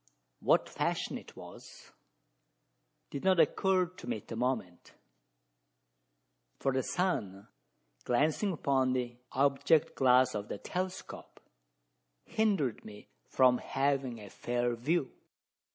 What fashion it was, did not occur to me at the moment; for the sun, glancing upon the object glass of the telescope, hindered me from having a fair view.